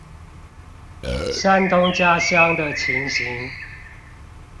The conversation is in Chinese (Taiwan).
山東家鄉的情形